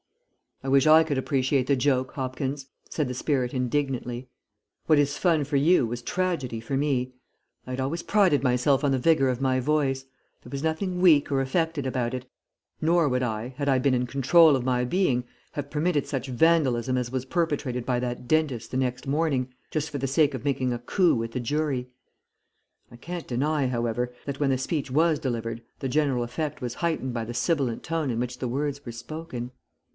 "I wish I could appreciate the joke, Hopkins," said the spirit indignantly. "What is fun for you was tragedy for me. I had always prided myself on the vigour of my voice. There was nothing weak or affected about it, nor would I, had I been in control of my being, have permitted such vandalism as was perpetrated by that dentist the next morning, just for the sake of making a coup with the jury. I can't deny, however, that when the speech was delivered the general effect was heightened by the sibilant tone in which the words were spoken.